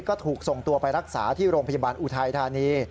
ก็ถูกส่งตัวไปรักษาที่โรงพยาบาลอุทัยธานี